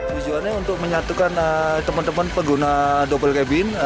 tujuan ini untuk menyatukan teman teman pengguna double cabin